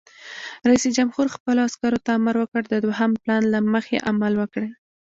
رئیس جمهور خپلو عسکرو ته امر وکړ؛ د دوهم پلان له مخې عمل وکړئ!